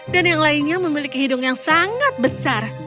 dan yang lainnya memiliki hidung yang sangat besar